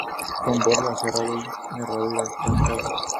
Con borde aserrado y nervadura marcada.